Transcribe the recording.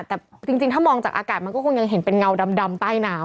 แต่จริงถ้ามองจากอากาศมันก็คงยังเห็นเป็นเงาดำใต้น้ำ